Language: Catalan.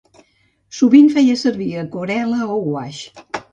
Sovint feia servir aquarel·la o guaix.